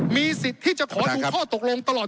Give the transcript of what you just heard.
มีสิทธิ์ที่จะขอดูข้อตกลงตลอด